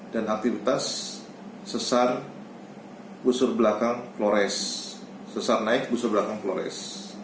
dan aktivitas sesar naik busur belakang flores